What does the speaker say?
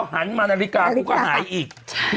หันมานาฬิกากูก็หายอีก